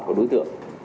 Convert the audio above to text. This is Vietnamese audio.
của đối tượng